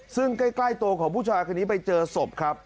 ซึ่งใกล้ตัวของผู้ชายคนนี้ไปเจอศพครับ